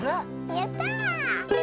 やった！